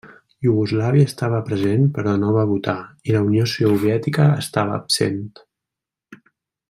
Iugoslàvia estava present però no va votar, i la Unió Soviètica estava absent.